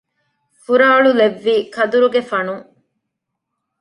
ފުރާޅުލެއްވީ ކަދުރުގެ ފަނުން